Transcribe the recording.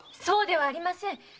そうではありません！